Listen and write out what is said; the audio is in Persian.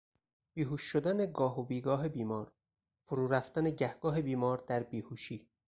بیهوش شدن گاه و بیگاه بیمار، فرو رفتن گهگاه بیمار در بیهوشی